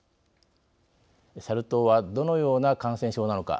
サル痘はどのような感染症なのか。